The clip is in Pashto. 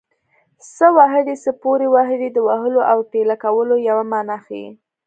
څه وهلی څه پورې وهلی د وهلو او ټېله کولو یوه مانا ښيي